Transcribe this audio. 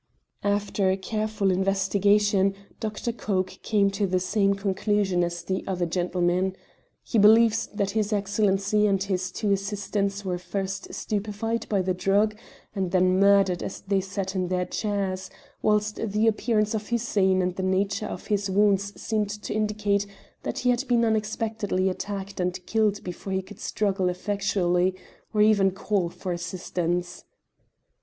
After careful investigation Dr. Coke came to the same conclusion as the other gentlemen. He believes that his Excellency and his two assistants were first stupefied by the drug and then murdered as they sat in their chairs, whilst the appearance of Hussein and the nature of his wounds seemed to indicate that he had been unexpectedly attacked and killed before he could struggle effectually or even call for assistance.